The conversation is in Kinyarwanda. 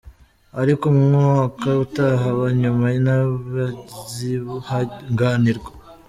Ariko umwaka utaha aba nyuma ntibazihanganirwa.